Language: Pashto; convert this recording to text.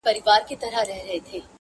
درد له کلي نه نه ځي,